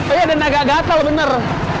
oh iya dan agak gasel bener